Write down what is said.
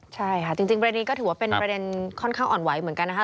ใช่ค่ะจริงประเด็นนี้ก็ถือว่าเป็นประเด็นค่อนข้างอ่อนไหวเหมือนกันนะคะ